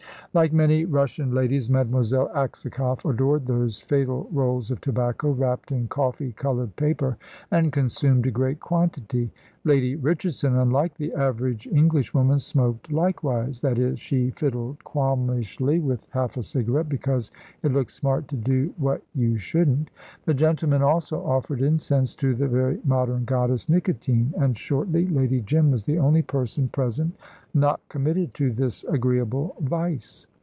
Like many Russian ladies, Mademoiselle Aksakoff adored those fatal rolls of tobacco wrapped in coffee coloured paper, and consumed a great quantity. Lady Richardson, unlike the average Englishwoman, smoked likewise that is, she fiddled qualmishly with half a cigarette, because it looked smart to do what you shouldn't. The gentlemen also offered incense to the very modern goddess Nicotine, and shortly Lady Jim was the only person present not committed to this agreeable vice.